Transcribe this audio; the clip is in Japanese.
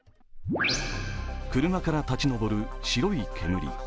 車から立ち上る白い煙。